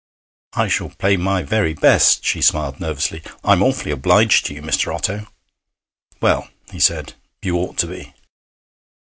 'I shall play my very best,' she smiled nervously. 'I'm awfully obliged to you, Mr. Otto.' 'Well,' he said, 'you ought to be.'